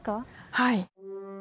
はい。